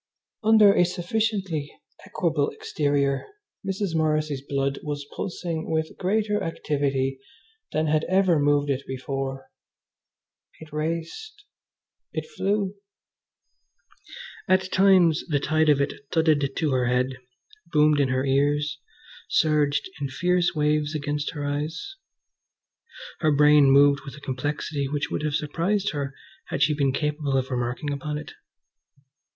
Under a sufficiently equable exterior Mrs. Morrissy's blood was pulsing with greater activity than had ever moved it before. It raced! It flew! At times the tide of it thudded to her head, boomed in her ears, surged in fierce waves against her eyes. Her brain moved with a complexity which would have surprised her had she been capable of remarking upon it.